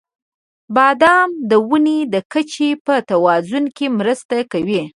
• بادام د وینې د کچې په توازن کې مرسته کوي.